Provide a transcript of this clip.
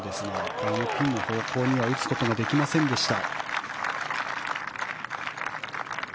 これもピンの方向には打つことができませんでした。